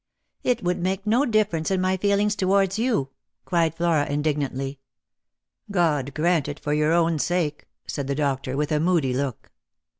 " It would make no difference in my feelings towards you," cried Flora indignantly. " God grant it for your own sake," said the doctor with a moody look.